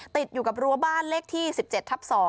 ติดอยู่กับรั้วบ้านเลขที่๑๗ทับ๒